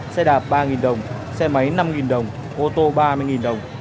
xe đạp ba đồng xe máy năm đồng ô tô ba mươi đồng